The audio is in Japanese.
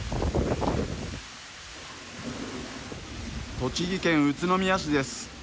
栃木県宇都宮市です。